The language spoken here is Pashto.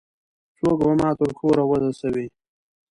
څوک به ما تر کوره ورسوي؟